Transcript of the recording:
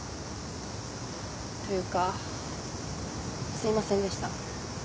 というかすいませんでした。